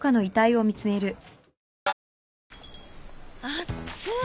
あっつい！